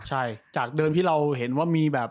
ใช่จากเดิมที่เราเห็นว่ามีแบบ